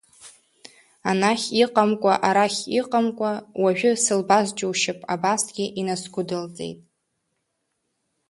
Анахь иҟамкәа, арахь иҟамкәа, уажәы сылбаз џьушьап, абасгьы инасгәыдылҵеит…